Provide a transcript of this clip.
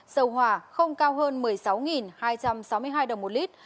dầu hỏa không cao hơn một mươi sáu hai trăm sáu mươi hai đồng một lít